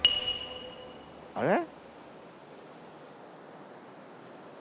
あれ？